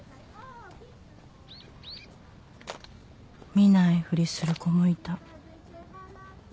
「見ないふりする子もいた」